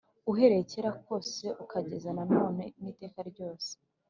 uhereye kera kose ukageza na none n iteka ryose